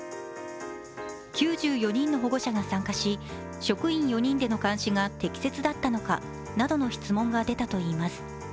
９４人の保護者が参加し、職員４人での監視が適切だったのかなどの質問が出たといいます。